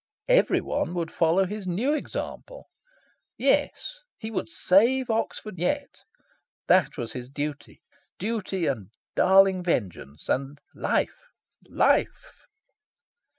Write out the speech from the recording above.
Every one would follow his new example. Yes, he would save Oxford yet. That was his duty. Duty and darling vengeance! And life life!